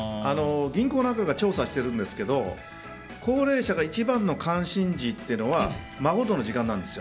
銀行なんかが調査してるんですけど高齢者が一番の関心事というのは孫との時間なんです。